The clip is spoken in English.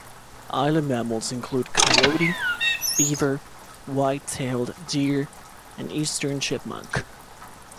Island mammals include coyote, beaver, white-tailed deer, and eastern chipmunk.